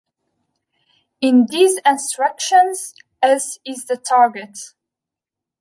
In these instructions, S is the target.